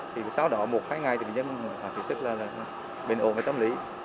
thì sao đó một hai ngày thì bệnh nhân họ kiểm trúc là bền ổn với tâm lý